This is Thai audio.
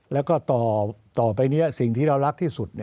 แล้วก็ต่อไปนี้สิ่งที่เรารักที่สุด